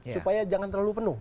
supaya jangan terlalu penuh